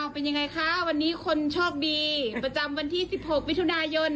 เป็นยังไงคะวันนี้คนโชคดีประจำวันที่๑๖มิถุนายน